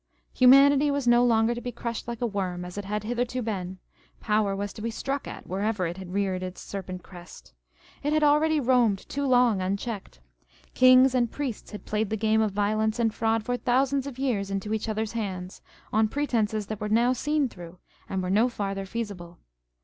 Humanity was no longer to be crushed like a worm, as it had hitherto been â€" power was to be struck at, wherever it reared its serpent crest. It had already roamed too long unchecked. Kings and priests had played the game of violence and fraud for thousands of years into each other's hands, on pretences that were now seen through, and were no farther feasible.